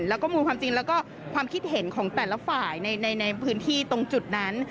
แล้วก็มูลความจริงแล้วก็ความคิดเห็นของแต่ละฝ่ายในพื้นที่ตรงจุดนั้น